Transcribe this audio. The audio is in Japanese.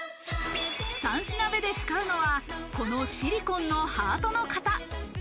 ３品目で使うのは、このシリコンのハートの型。